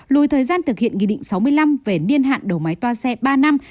lùi thời gian thực hiện nghị định sáu mươi năm về niên hạn đầu máy toa xe ba năm